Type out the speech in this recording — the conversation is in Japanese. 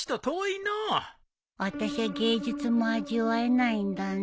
あたしゃ芸術も味わえないんだね。